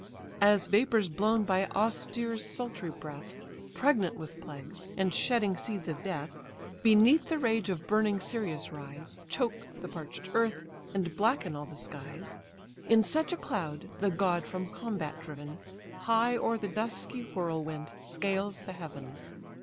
As vapours blown by Auster's sultry breath, Pregnant with plagues, and shedding seeds of death, Beneath the rage of burning Sirius rise, Choke the parch'd earth, and blacken all the skies; In such a cloud the god from combat driven, High o'er the dusky whirlwind scales the heaven.